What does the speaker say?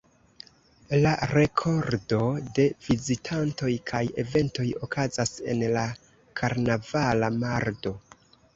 La rekordo de vizitantoj kaj eventoj okazas en la karnavala mardo.